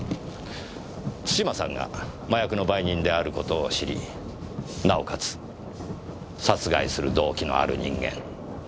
津島さんが麻薬の売人である事を知りなおかつ殺害する動機のある人間。